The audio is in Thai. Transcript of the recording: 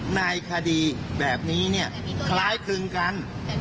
ในคดีแบบนี้เนี่ยคล้ายคลึงกัน